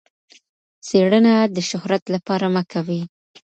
څېړنه د شهرت لپاره مه کوئ.